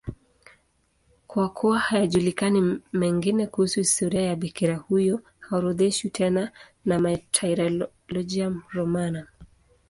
Kwa kuwa hayajulikani mengine kuhusu historia ya bikira huyo, haorodheshwi tena na Martyrologium Romanum.